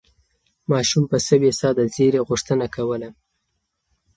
ماشوم په سوې ساه د زېري غوښتنه کوله.